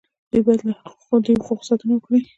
دوی باید له دې حقوقو ساتنه وکړي.